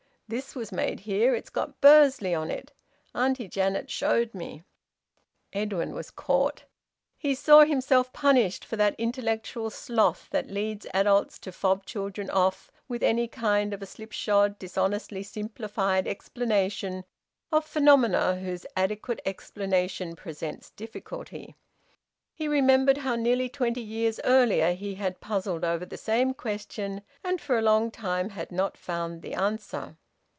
"This was made here. It's got `Bursley' on it. Auntie Janet showed me." Edwin was caught. He saw himself punished for that intellectual sloth which leads adults to fob children off with any kind of a slipshod, dishonestly simplified explanation of phenomena whose adequate explanation presents difficulty. He remembered how nearly twenty years earlier he had puzzled over the same question and for a long time had not found the answer.